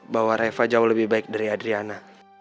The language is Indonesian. bahwa reva jauh lebih baik dari adriana